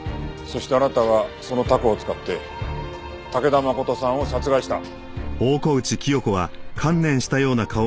そしてあなたはそのタコを使って武田誠さんを殺害した。